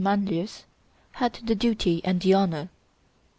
Manlius, had the duty and the honor.